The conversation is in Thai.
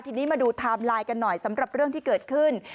ทีนี้มาดูไทม์ไลน์กันหน่อยสำหรับเรื่องที่เกิดขึ้น